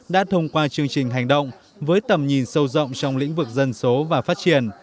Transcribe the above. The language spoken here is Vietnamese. đã thông qua chương trình hành động với tầm nhìn sâu rộng trong lĩnh vực dân số và phát triển